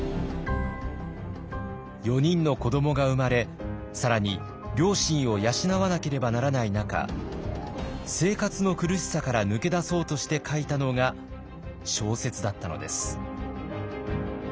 ４人の子どもが生まれ更に両親を養わなければならない中生活の苦しさから抜け出そうとして書いたのが小説だったのです。